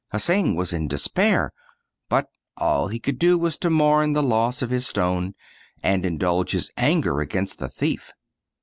Hsing was in despair ; but all he could do was to mourn the loss of his stone, and indulge his anger against the thief.